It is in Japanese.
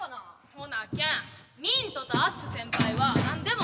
ほなけんミントとアッシュ先輩は何でもなかったってこと。